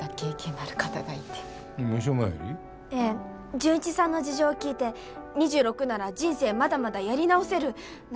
潤一さんの事情を聞いて２６なら人生まだまだやり直せるなんて声かけてくれて。